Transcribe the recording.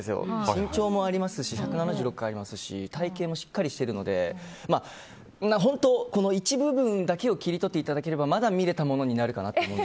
身長もありますし１７６ありますし体形もしっかりしているので一部分だけを切り取っていただければまだ見れたものになるのかなと。